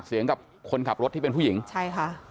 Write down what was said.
จนกระทั่งหลานชายที่ชื่อสิทธิชัยมั่นคงอายุ๒๙เนี่ยรู้ว่าแม่กลับบ้าน